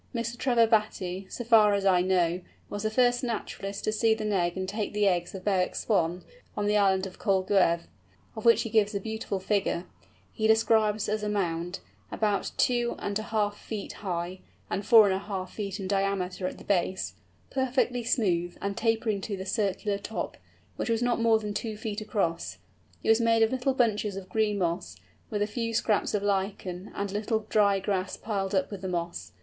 Mr. Trevor Battye, so far as I know, was the first naturalist to see the nest and take the eggs of Bewick's Swan, on the island of Kolguev. This nest—of which he gives a beautiful figure—he describes as a mound, about two and a half feet high, and four and a half feet in diameter at the base, perfectly smooth, and tapering to the circular top, which was not more than two feet across. It was made of little bunches of green moss, with a few scraps of lichen, and a little dry grass pulled up with the moss.